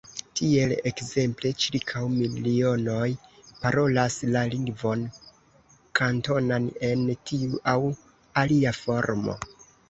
Tiel ekzemple ĉirkaŭ milionoj parolas la lingvon Kantonan en tiu aŭ alia formo.